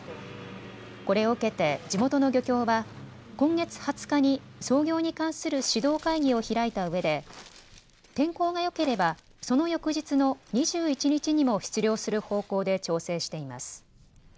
これを受けて地元の漁協は今月２０日に操業に関する指導会議を開いたうえで天候がよければその翌日の２１日にも出漁する方向で調整しています。